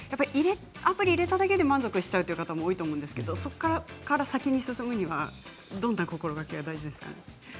アプリを入れただけで満足してしまう方もいると思うんですがそこから先に進むためにはどんな心がけが大事ですか。